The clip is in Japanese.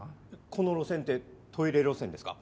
この路線ってトイレ路線ですか？